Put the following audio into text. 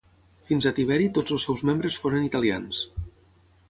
Fins a Tiberi tots els seus membres foren italians.